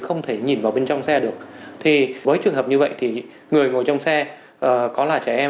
không thể nhìn vào bên trong xe được thì với trường hợp như vậy thì người ngồi trong xe có là trẻ em